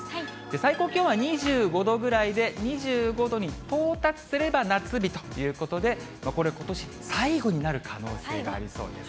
最高気温は２５度ぐらいで、２５度に到達すれば夏日ということで、これは、ことし最後になる可能性がありそうです。